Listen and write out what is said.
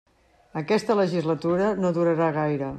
Aquesta legislatura no durarà gaire.